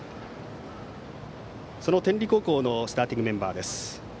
その天理高校のスターティングメンバーです。